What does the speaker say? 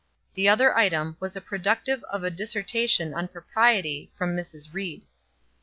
The other item was productive of a dissertation on propriety from Mrs. Ried.